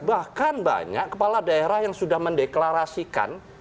bahkan banyak kepala daerah yang sudah mendeklarasikan